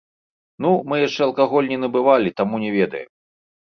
Ну, мы яшчэ алкаголь не набывалі, таму не ведаем.